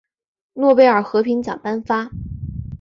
诺贝尔和平奖颁发。